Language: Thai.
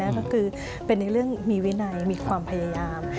ก็คือเป็นในเรื่องมีวินัยมีความพยายาม